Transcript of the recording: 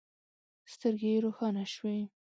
سترګې يې روښانه شوې.